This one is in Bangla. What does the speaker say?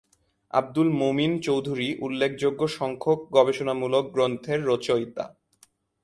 আবদুল মমিন চৌধুরী উল্লেখযোগ্য সংখ্যক গবেষণামূলক গ্রন্থের রচয়িতা।